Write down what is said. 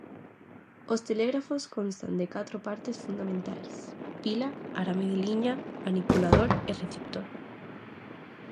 Os telégrafos constan de catro partes fundamentais: pila, arame de liña, manipulador e receptor.